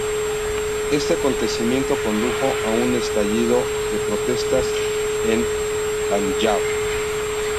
Este acontecimiento condujo a un estallido de protestas en Panyab.